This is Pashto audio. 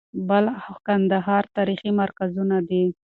بلخ او کندهار تاریخي مرکزونه دي.